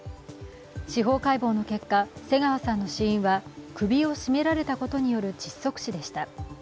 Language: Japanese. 司法解剖の結果、瀬川さんの死因は首を絞められたことによる窒息死でした。